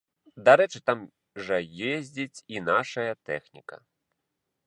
Дарэчы, там жа ездзіць і нашая тэхніка.